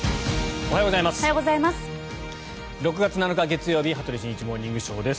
おはようございます。